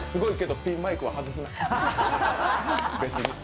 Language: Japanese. ピンマイクは外すな、別に。